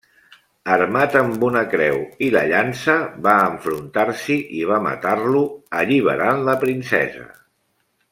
Armat amb una creu i la llança, va enfrontar-s'hi i va matar-lo, alliberant la princesa.